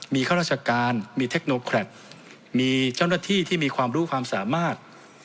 มีข้าราชการมีเทคโนแครตมีเจ้าหน้าที่ที่มีความรู้ความสามารถ